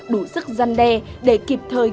đủ sức gian đe để kịp thời